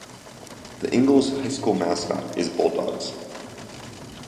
The Ingalls High School mascot is Bulldogs.